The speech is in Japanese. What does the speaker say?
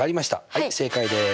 はい正解です。